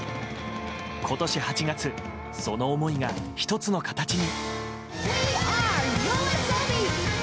今年８月、その思いが１つの形に。